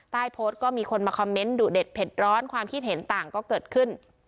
โพสต์ก็มีคนมาคอมเมนต์ดุเด็ดเผ็ดร้อนความคิดเห็นต่างก็เกิดขึ้น